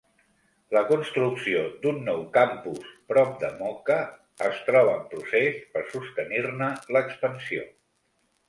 La construcció d'un nou campus prop de Moka es troba en procés per sostenir-ne l'expansió.